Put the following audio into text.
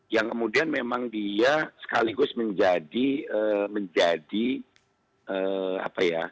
yang kemudian memang dia sekaligus menjadi apa ya